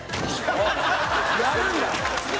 やるんだ！